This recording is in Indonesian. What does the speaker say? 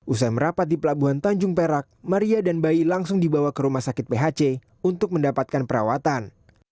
usai merapat di pelabuhan tanjung perak maria dan bayi langsung dibawa ke rumah sakit phc untuk mendapatkan perawatan